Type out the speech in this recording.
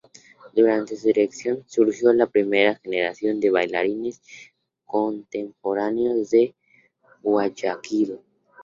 Durante su dirección, surgió la primera generación de bailarines contemporáneos de Guayaquil.